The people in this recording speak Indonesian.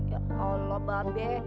ya allah bapak